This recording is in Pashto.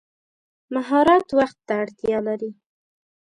مهارت وخت ته اړتیا لري.